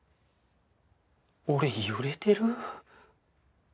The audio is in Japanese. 俺揺れてる？